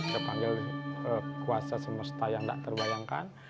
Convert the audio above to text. saya panggil kekuasaan semesta yang tidak terbayangkan